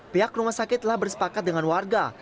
pihak rumah sakit telah bersepakat dengan warga